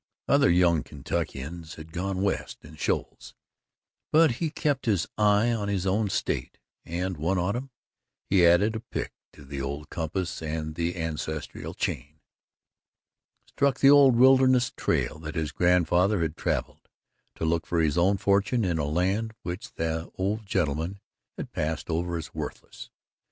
Other young Kentuckians had gone West in shoals, but he kept his eye on his own State, and one autumn he added a pick to the old compass and the ancestral chain, struck the Old Wilderness Trail that his grandfather had travelled, to look for his own fortune in a land which that old gentleman had passed over as worthless.